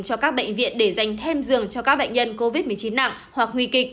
cho các bệnh viện để dành thêm dường cho các bệnh nhân